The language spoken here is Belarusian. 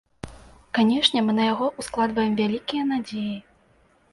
Канешне, мы на яго ўскладваем вялікія надзеі.